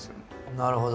なるほど。